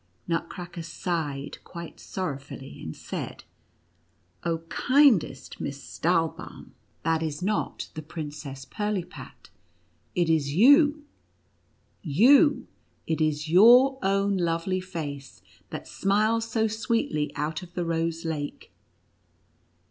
Nutcracker sighed quite sorrowfully, and said :" Oh, kindest Miss Stahlbaum, that is not 118 NUTCRACKER AND MOUSE KING. the Princess Pirlipat — it is you, you — it is your own lovely face that smiles so sweetly out of the Rose Lake."